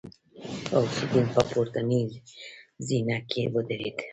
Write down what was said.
غوث الدين په پورتنۍ زينه کې ودرېد.